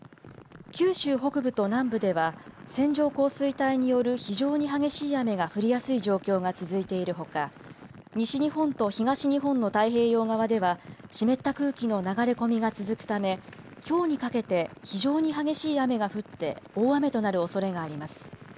九州北部と南部では線状降水帯による非常に激しい雨が降りやすい状況が続いているほか、西日本と東日本の太平洋側では湿った空気の流れ込みが続くためきょうにかけて非常に激しい雨が降って大雨となるおそれがあります。